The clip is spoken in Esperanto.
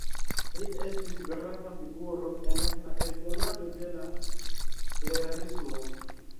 Li estis grava figuro en la eldonado de la klerismo.